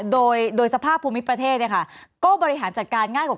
โดยโดยสภาพภูมิประเทศเนี้ยค่ะก็บริหารจัดการง่ายกว่า